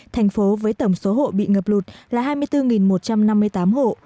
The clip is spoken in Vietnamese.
thành phố với tổng số hộ bị ngập lụt là hai mươi bốn một trăm năm mươi tám hộ